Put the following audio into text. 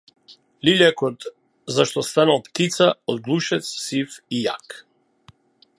Лилјакот зашто станал птица од глушец сив и јак.